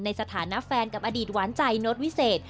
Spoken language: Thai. สถานะแฟนกับอดีตหวานใจโน้ตวิเศษ